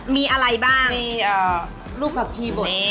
มีอะไรบ้างลูกแบบที่บน